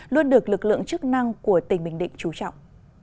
luôn được lực lượng chức năng của tỉnh bình định trú trọng